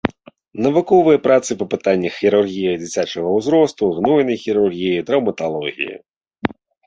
Навуковыя працы па пытаннях хірургіі дзіцячага ўзросту, гнойнай хірургіі і траўматалогіі.